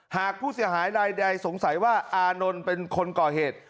หากผู้เสียหายรายใดสงสัยว่าอานนท์เป็นคนก่อเหตุ